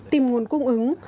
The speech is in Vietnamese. tìm nguồn cung ứng